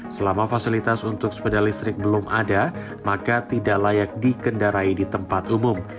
selama fasilitas untuk sepeda listrik belum ada maka tidak layak dikendarai di tempat umum